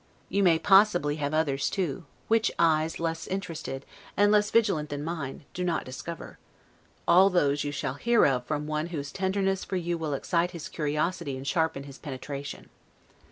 You may possibly have others, too, which eyes less interested, and less vigilant than mine, do not discover; all those you shall hear of from one whose tenderness for you will excite his curiosity and sharpen his penetration.